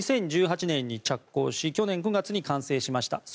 ２０１８年に着工し、去年５月に完成しました。